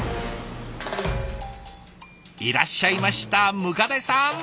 いらっしゃいました百足さん。